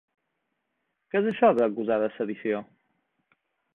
Què és això d'acusar de sedició?